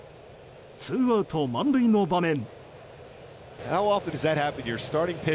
ツーアウト満塁の場面。